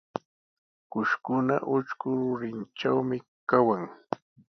Ukushkuna utrku rurinkunatrawmi kawan.